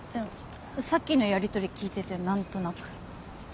さっきのやり取り聞いててなんとなく。